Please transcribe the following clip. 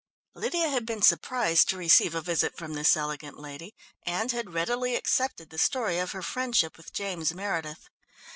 Lydia had been surprised to receive a visit from this elegant lady, and had readily accepted the story of her friendship with James Meredith.